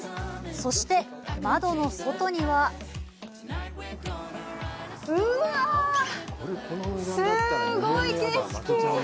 そして、窓の外にはうわぁ、すごい景色！